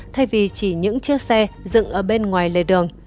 thay vì chỉ những chiếc xe dựng ở bên ngoài lề đường